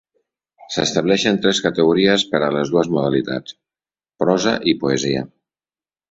S'estableixen tres categories per a les dues modalitats: prosa i poesia.